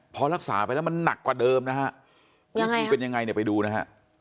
พอรักษาไปแล้วมันหนักกว่าเดิมนะฮะวิธีเป็นยังไงเนี่ยไปดูนะฮะ